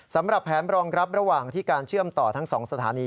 สำหรับแผนรองรับระหว่างที่การเชื่อมต่อทั้ง๒สถานี